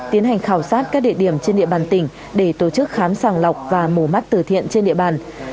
tiến hành khảo sát các địa điểm trên địa bàn tỉnh để tổ chức khám sàng lọc và mổ mắt từ thiện trên địa bàn